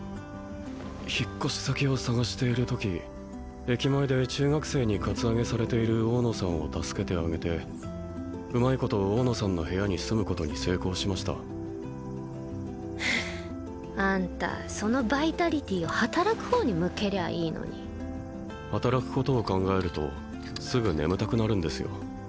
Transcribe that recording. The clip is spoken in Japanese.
引っ越し先を探しているとき駅前で中学生にカツアゲされている大野さんを助けてあげてうまいこと大野さんの部屋に住むことに成功しましたはああんたそのバイタリティーを働く方に向けりゃいいのに働くことを考えるとすぐ眠たくなるんですよ